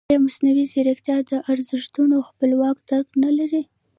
ایا مصنوعي ځیرکتیا د ارزښتونو خپلواک درک نه لري؟